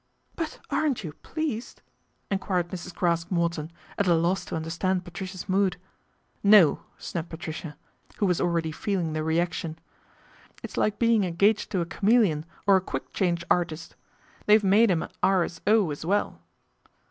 " But aren't you pleased ?" enquired Mrs. Craske Morton, at a loss to understand Patricia's mood. " No !" snapped Patricia, who was already feeling the reaction. " It's like being engaged to a chameleon, or a quick change artist. They've made him a ' R.S.O.' as well."